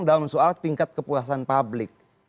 dalam soal tingkat kepuasan publik